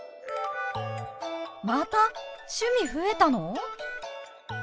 また趣味増えたの！？